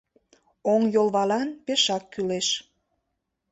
Оҥйолвалан пешак кӱлеш.